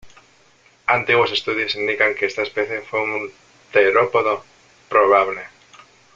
Antiguos estudios indican que esta especie fue un terópodo probable.